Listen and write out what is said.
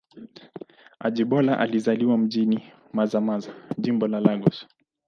Ajibola alizaliwa mjini Mazamaza, Jimbo la Lagos.